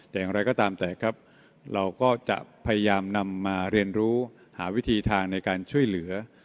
แต่อย่างไรก็ตามแต่ครับเราก็จะพยายามนำมาเรียนรู้หาวิธีทางในการช่วยเหลือ